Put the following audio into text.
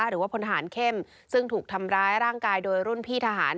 หรือว่าพลทหารเข้มซึ่งถูกทำร้ายร่างกายโดยรุ่นพี่ทหาร